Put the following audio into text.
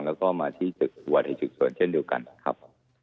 แล้วก็มาที่หวัดเหตุฉุดส่วนเช่นเดียวกันครับ